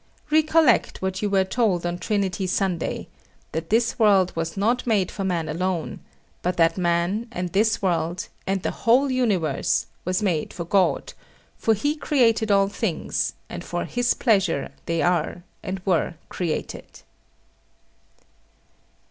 Recollect what you were told on Trinity Sunday That this world was not made for man alone: but that man, and this world, and the whole Universe was made for God; for He created all things, and for His pleasure they are, and were created.